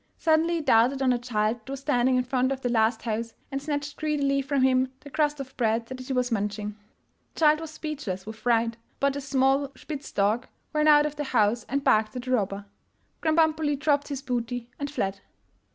Suddenly he darted on a child that was standing in front of the last house, and snatched greedily from him the crust of bread that he was munching. The child was speechless with fright, but a small Spitz dog ran out of the house and barked at the robber. Krambambuli dropped his booty and fled.